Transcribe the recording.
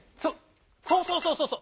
そうそうそうそうそう！